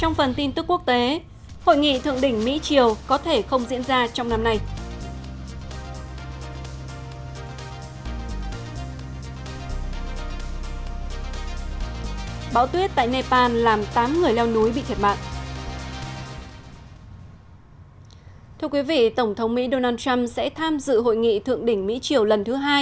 giữ hội nghị thượng đỉnh mỹ triều lần thứ hai